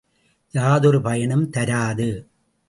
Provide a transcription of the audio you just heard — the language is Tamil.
யாதொரு பயனும் தராது!